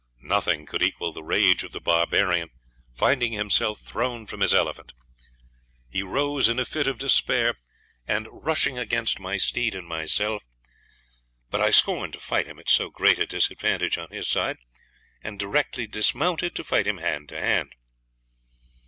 Nothing could equal the rage of the barbarian finding himself thrown from his elephant. He rose in a fit of despair, and rushed against my steed and myself: but I scorned to fight him at so great a disadvantage on his side, and directly dismounted to fight him hand to hand.